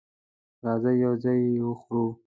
راځئ یو ځای یی وخورو